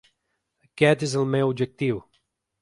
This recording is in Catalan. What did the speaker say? Aquest és el meu objectiu.